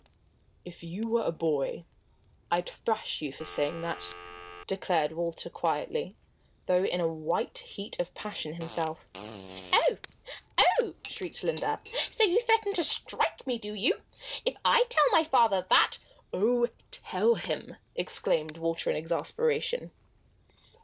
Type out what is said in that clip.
"If you were a boy, I'd thrash you for saying that!" declared Walter, quietly, though in a white heat of passion himself. "Oh! oh!" shrieked Linda. "So you threaten to strike me, do you? If I tell my father that " "Oh, tell him!" exclaimed Walter, in exasperation.